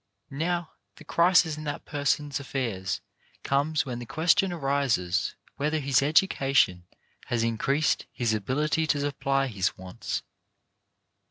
Now, the crisis in that person's affairs comes when the question arises whether his education has increased his ability to supply his wants.